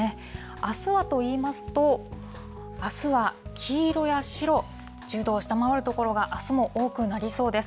あすはといいますと、あすは黄色や白、１０度を下回る所があすも多くなりそうです。